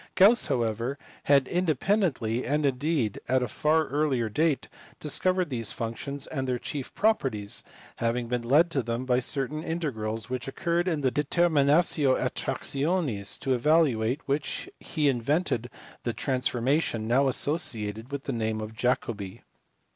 Gauss however had independently, and indeed at a far earlier date, discovered these functions and their chief properties ; having been led to them by certain integrals which occurred in the Determinatio Attractionis, to evaluate which he invented the transformation now associated with the name of Jacobi.